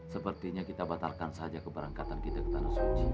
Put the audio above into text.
sepertinya kita batalkan saja keberangkatan kita ke tanah suci